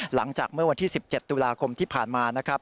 หลังจากเมื่อวันที่๑๗ตุลาคมที่ผ่านมานะครับ